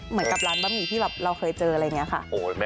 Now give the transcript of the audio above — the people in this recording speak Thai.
เหมือนกับร้านบะหมี่ที่แบบเราเคยเจออะไรอย่างนี้ค่ะ